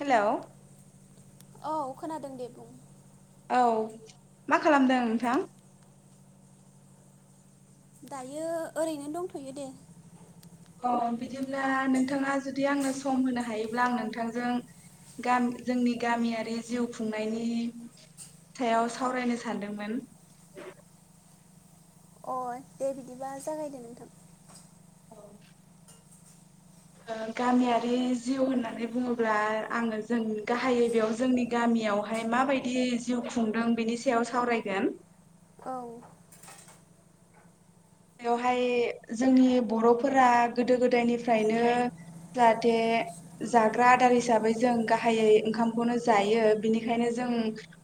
Hello औ खोनादों दे बुं औ मा खालामदों नोंथां दायो ओरैनो दंथ'यो दे अ बिदिब्ला नोंथाङा जुदि आंनो सम होनो हायोब्ला आं नोंथांजों गा जोंनि गामियारि जिउ खुंनायनि सायाव सावरायनो सानदोंमोन अ दे बिदिबा जागायदो नोंथां औ ओ गामियारि जिउ होननानै बुङोब्ला आंङो जों गाहायै बेयाव जोंनि गामियावहाय माबायदि जिउ खुंदों बेनि सायाव सावरायगोन। औ बेवहाय जोंनि बर'फोरा गोदो गोदायनि फ्रायनो जाहाथे जाग्रा आदार हिसाबै जों गाहायै ओंखामखौनो जायो बिनिखायनो जों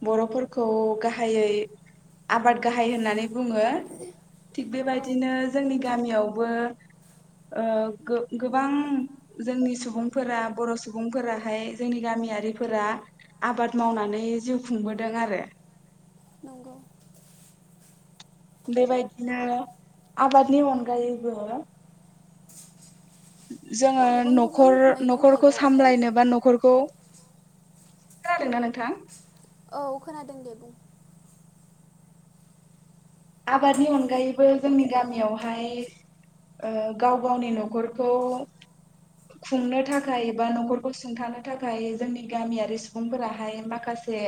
बर'फोरखौ गाहायै आबाद गाहाय होननानै बुङो थिग बेबाय औ दिनो जोंनि गामियावबो ओ गोबां जोंनि सुबुंफोरा बर' सुबुंफोराहाय जोंनि गामियारिफोरा आबाद मावनानै जिउ खुंबोदों आरो। नंगौ बेबायदिनो आबादनि अनगायैबो जोंङो गुबुन गुबुन न'खर मैगं न'खरखौ थाइगं सामलायनो बा न'खर औ खोनादोंना नोंथां औ खोनादों दे बुं आबादनि अनगायैबो जोंनि गामियावहाय ओ गाव गावनि न'खरखौ खुंनो थाखाय एबा न'खरखौ सुंथानो थाखाय जोंनि गामियारि सुबुंफोराहाय माखासे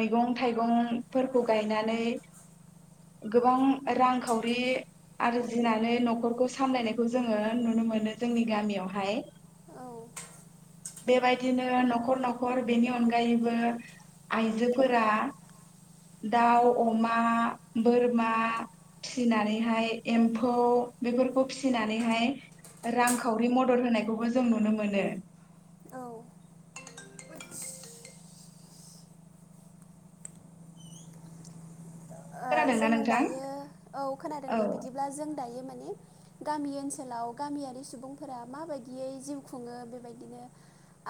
मैगं थायगंफोरखौ गायनानै गोबां रांखावरि आरजिनानै न'खरखौ सामलायनायखौ जोंङो नुनो मोनो जोंनि गामियावहाय औ बेबादिनो न'खर न'खर बेनि अनगायैबो आइजोफोरा दाउ अमा बोरमा फिनानैहाय एम्फौ बेफोरखौ फिसिनानैहाय रांखावरि मदद होनायखौबो जों नुनो मोनो औ ओ खोनादोंना जों नोंथां दायो औ खोनादों औ दे बिदिब्ला जों दायो माने गामि ओनसोलाव गामियारि सुबुंफोरा माबायदियै जिउ खुङो बेबायदिनो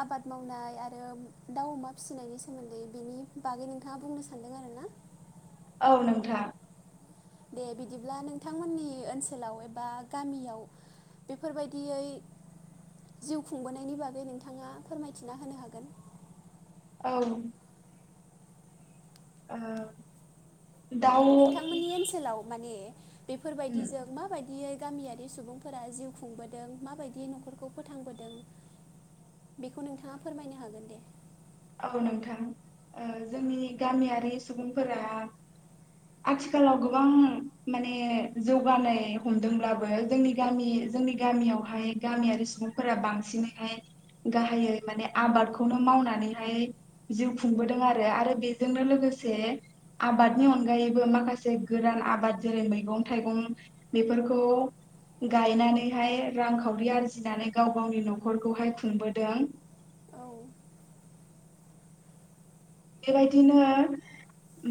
आबाद मावनाय आरो दाउ अमा फिसिनायनि सोमोन्दै बेनि बागै नोंथाङा बुंनो सानदों आरो ना औ नोंथां दे बिदिब्ला नोंथांमोननि ओनसोलाव एबा गामियाव बेफोरबायदियै जिउ खुंबोनायनि बागै नोंथांङा फोरमायथिना होनो हागोन। औ ओ दाउ नोंथांमोननि ओनसोलाव माने उम बेफोरबायदिजों माबायदियै गामियारि सुबुंफोरा जिउ खुंबोदों माबायदि न'खरखौ फोथांबोदों बेखौ नोंथांङा फोरमायनो हागोन दे औ नोंथां। ओ जोंनि गामियारि सुबुंफोरा आथिखालाव गोबां माने जौगानाय हमदोंब्लाबो जोंनि गामि जोंनि गामियावहाय गामियारि सुबुंफोरा बांसिनैहाय गाहायै माने आबादखौनो मावनानै हाय जिउ खुंबोदों आरो आरो बेजोंनो लोगोसे आबादनि अनगायैबो माखासे गोरान आबाद जेरै- मैगं-थाइगं बेफोरखौ गायनानैहाय रांखावरि आरजिनानै गाव-गावनि न'खरखौहाय खुंबोदों। औ बेबायदिनो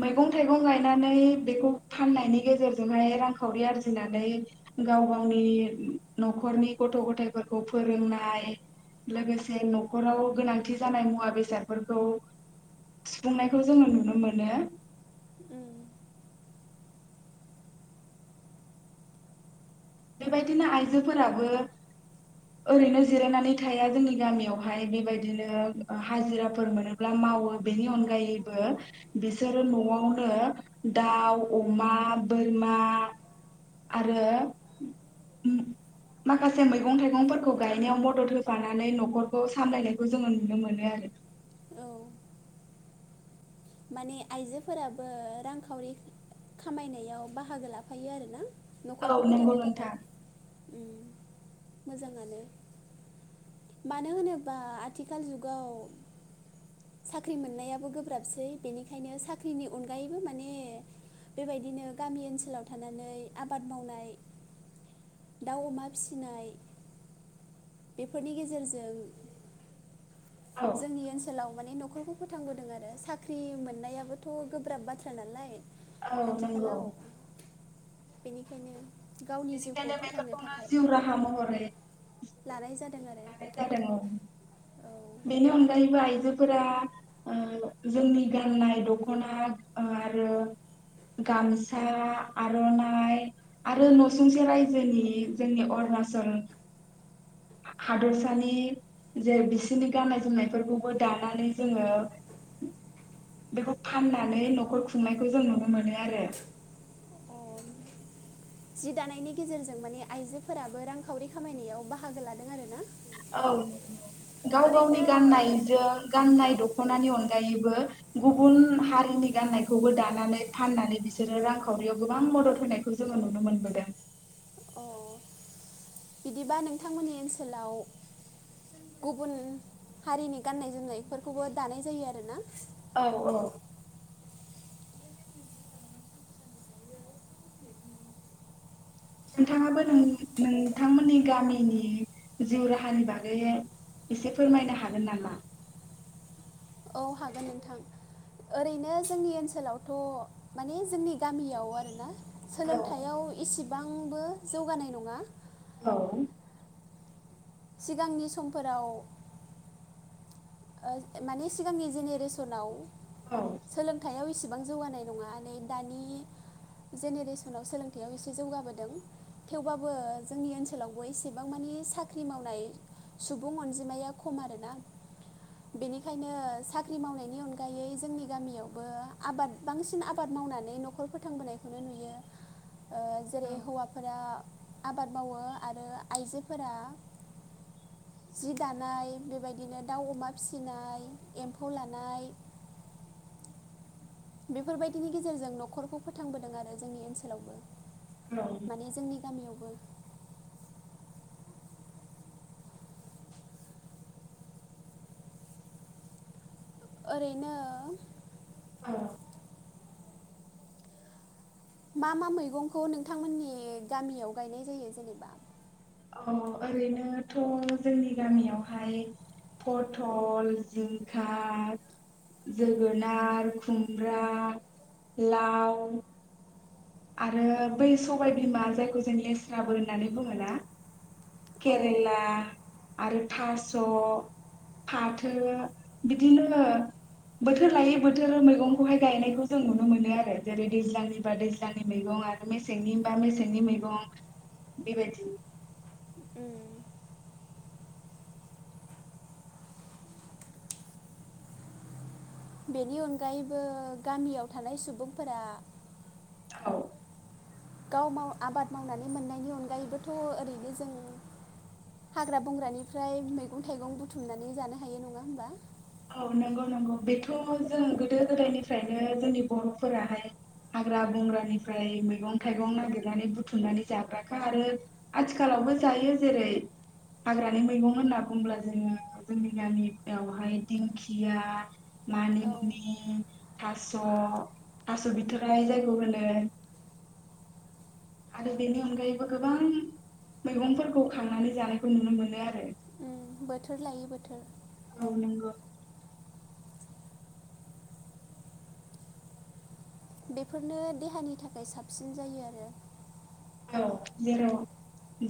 मैगं-थाइगं गायनानै बेखौ फाननायनि गेजेरजोंहाय रांखावरि आरजिनानै गाव-गावनि न'खरनि गथ' गथायफोरखौ फोरोंनाय लोगोसे न'खराव गोनांथि जानाय मुवा बेसादफोरखौ सुफुंनायखौ जोंङो नुनो मोनो। उम बेबायदिनो आइजोफोराबो ओरैनो जिरायनानै थाया जोंनि गामियावहाय बेबायदिनो हाजिराफोर मोनोब्ला मावो बेनि अनगायैबो बिसोरो न'आवनो दाव, अमा, बोरमा आरो माखासे मैगं थाइगंफोरखौ गायनायाव मदद होफानानै न'खरखौ सामलायनायखौ जोंङो नुनो मोनो आरो। औ माने आइजोफोराबो रांखावरि खामायनायाव बाहागो लाफायो आरोना? आरो औ न'खरखौ नंगौ फोथांनो थाखाय। नोंथां मोजांङानो, मानो होनोबा आथिखाल जुगाव साख्रि मोननायाबो गोब्राबसै। बेनिखायनो साख्रिनि अनगायैबो माने बेबायदिनो गामि ओनसोलाव थानानै आबाद मावनाय, दाव, अमा फिसिनाय बेफोरनि गेजेरजों औ जोंनि ओनसो सोलाव माने न'खरखौ फोथांबोदों आरो साख्रि मोननायाबोथ' गोब्राब बाथ्रा नालाय। औ नंगौ। आथिखालाव बेनिखायनो गावनि जिउखौ बेनिखायनो फोथांनो बेफोरखौनो थाखाय जिउ राहा महरै लानाय जादों लानाय जादों औ आरो। औ बेनि अनगायैबो आइजोफोरा ओ जोंनि गाननाय दख'ना ओ आरो गामसा, आर'नाइ आरो न'सुंसे रायजोनि जोंनि अरुनाचल हादरसानि जे बिसोरनि गाननाय जोमनायफोरखौबो दानानै जोंङो बेखौ फाननानै न'खर खुंनायखौ जों नुनो मोनो आरो। जि दानायनि गेजेरजों माने आइजोफोराबो रांखावरि खामायनायाव बाहागो लादों आरो ना। औ गाव-गावनि ओरैनो गाननायजों गाननाय दख ख'नानि अनगायैबो गुबुन हारिनि गाननायखौबो दानानै फाननानै बिसोरो रांखावरियाव गोबां मदद होनायखौ जोंङो नुनो मोनबोदों। अ बिदिबा नोंथांमोननि ओनसोलाव गुबुन हारिनि गाननाय जोमनायफोरखौबो दानाय जायो आरोना? औ औ नोंथांङाबो नों नोंथांमोननि गामिनि जिउ राहानि बागै एसे फोरमायनो हागोन नामा? औ हागोन नोंथां। ओरैनो जोंनि ओनसोलावथ' माने जोंनि गामियाव आरोना औ सोलोंथाइयाव एसे गोबांबो जौगानाय नंङा। औ सिगांनि समफोराव ओ माने सिगांनि जेनेरेसनाव औ सोलोंथायाइयाव सिबां जौगानाय नङा नै दानि जेनेरेसनाव सोलोंथाइयाव एसे जौगाबोदों थेवबाबो जोंनि ओनसोलावबो एसेबां मानि साख्रि मावनाय सुबुं अनजिमाया खम आरोना बेनिखायनो साख्रि मावनायनि अनगायै जोंनि गामियावबो आबाद बांसिन आबाद मावनानै न'खर फोथांबोनायखौनो नुयो। ओ जेरै हौवाफोरा आबाद मावो आरो आइजोफोरा जि दानाय बेबायदिनो दाउ, अमा फिसिनाय एम्फौ लानाय बेफोर बायदिनि गेजेरजों न'खरखौ फोथांबोदों आरो जोंनि ओनसोलावबो औ माने जोंनि गामियाव बो ओरैनो औ मा मा मैगंखौ नोंथांमोननि गामियाव गायनाय जायो जेनेबा अ ओरैनोथ' जोंनि गामियावहाय पथल, जिंखा, जोगोनार, खुमब्रा, लाव आरो बै सबायबिमा जायखौ जों लेस्राबो होननानै बुङो ना अ केेरेला आरो थास' फाथो बिदिनो बोथोर लायै बोथोर मैगंखौहाय गायनायखौ जों नुनो मोनो आरो जेरै दैज्लांनि बा दै ज्लांनि मैगं आरो मेसेंनिबा मेसेंनि मैगं बे बायदि उम बेनि अनगायैबो गामियाव थानाय सुबुंफोरा औ गाव माव आबाद मावनानै मोननायनि अनगायैबोथ' ओरैनो जों हाग्रा बंग्रानिफ्राय मैगं-थाइगं बुथुमनानै जानो हायो नङा होमबा औ नंगौ नंगौ बेथ' जों गोदो-गोदायनिफ्रायनो जोंनि बर'फोराहाय हाग्रा बंग्रानिफ्राय मैगं-थाइगं नागिरनानै बुथुमनानै जाग्राखा आरो आथिखालावबो जायो जेरै हाग्रानि मैगं होनना बुंब्ला जोङो जोंनि गामिआवहाय दिंखिया, औ मानिमुनि, थास', थास' बिथोराय जायखौ होनो। आरो बेनि अनगायैबो गोबां मैगंफोरखौ खांनानै जानायखौ नुनो मोनो आरो बोथोर लायै बोथोर औ नोंगौ बेफोरनो देहानि थाखाय साबसिन जायो आरो औ जेराव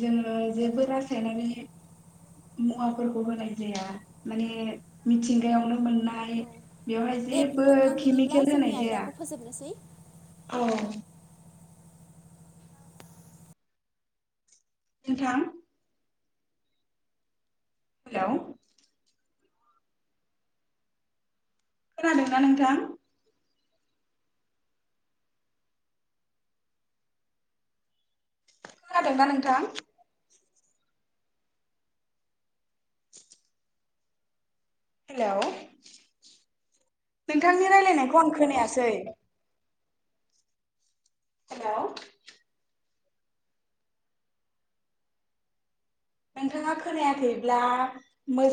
जोङो जेबो रासायारि मुवाफोरखौ होनाय जाया माने मिथिंगायावनो मोननाय औ बेवहाय दे जेबो नोंथां बिदिब्ला केमिकेल जोंनि होनाय जाया आयदाखौ फोजोबनोसै औ नोंथां हेलौ, खोनादों ना नोंथां? खोनादों दा नोंथां? [inaudible] हेलौ नोंथांनि रायलायनायखौ आं खोनायासै। हेलौ, नोंथाङा खोनायाखैब्ला मोजां